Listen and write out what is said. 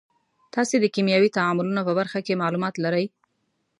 تاسې د کیمیاوي تعاملونو په برخه کې معلومات لرئ.